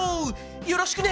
よろしくね！